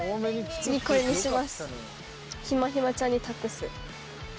ひまひまちゃんに託す。